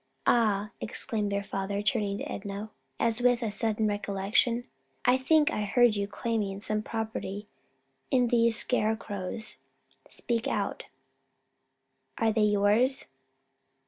"Ah!" exclaimed their father, turning to Enna, as with a sudden recollection, "I think I heard you claiming some property in these scarecrows speak out; are they yours?"